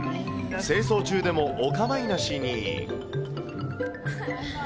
清掃中でもお構いなしに。